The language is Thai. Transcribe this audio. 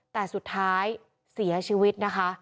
แต่สุดท้ายเสียชีวิตนะคะ